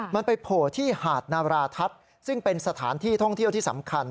มันไปโผล่ที่หาดนาราทัศน์ซึ่งเป็นสถานที่ท่องเที่ยวที่สำคัญ